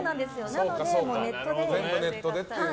なのでネットで。